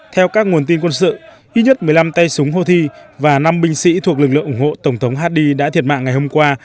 theo các nguồn tin quân sự ít nhất một mươi năm tay súng houthi và năm binh sĩ thuộc lực lượng ủng hộ tổng thống haddi đã thiệt mạng ngày hôm qua